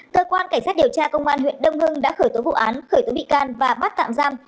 cơ quan cảnh sát điều tra công an huyện đông hưng đã khởi tố vụ án khởi tố bị can và bắt tạm giam